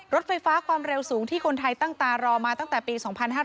รถไฟฟ้าความเร็วสูงที่คนไทยตั้งตารอมาตั้งแต่ปี๒๕๕๙